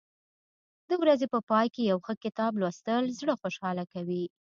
د ورځې په پای کې یو ښه کتاب لوستل زړه خوشحاله کوي.